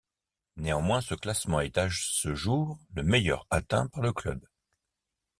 Néanmoins ce classement est à ce jour le meilleur atteint par le club.